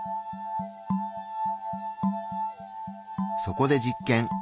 そこで実験。